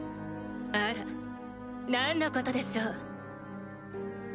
あら何のことでしょう？